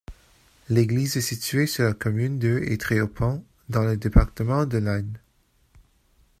L'église est située sur la commune de Étréaupont, dans le département de l'Aisne.